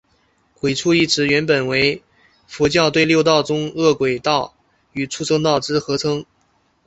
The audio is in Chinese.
鬼畜一词原本为佛教对六道中饿鬼道与畜生道之合称。